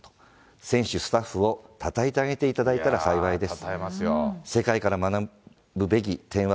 選手、スタッフをたたえてあげていただいたら幸いです。